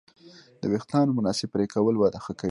د وېښتیانو مناسب پرېکول وده ښه کوي.